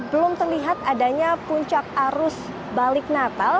belum terlihat adanya puncak arus balik natal